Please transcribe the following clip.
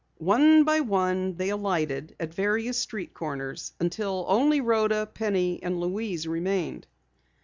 One by one they alighted at various street corners until only Rhoda, Penny, and Louise remained.